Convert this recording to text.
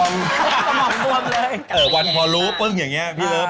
ไม่ได้เปิดไปทักนั้นที่ไหน